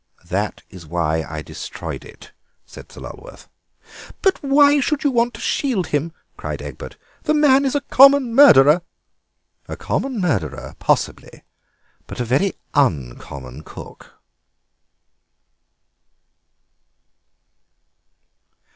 "That is why I destroyed it," said Sir Lulworth. "But why should you want to shield him?" cried Egbert; "the man is a common murderer." "A common murderer, possibly, but a very uncommon cook."